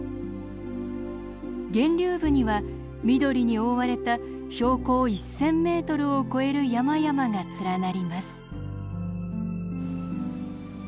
源流部には緑に覆われた標高１，０００メートルを超える山々が連なります。